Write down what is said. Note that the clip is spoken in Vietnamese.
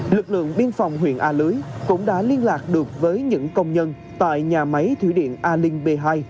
lực lượng biên phòng huyện a lưới cũng đã liên lạc được với những công nhân tại nhà máy thủy điện alin b hai